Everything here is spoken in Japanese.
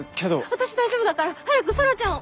私大丈夫だから早く空ちゃんを！